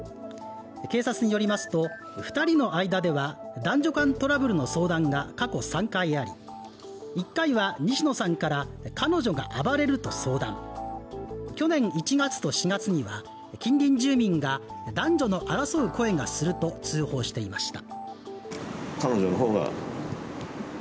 警察によりますと２人の間には男女間トラブルの相談が過去３回あり、１回は西野さんから、彼女が暴れると相談、去年１月と４月には近隣住民が男女の争う声がすると通報していました。